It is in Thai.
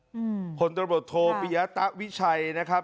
ฮนตรบรถโทษปิยะตะวิชัยนะครับ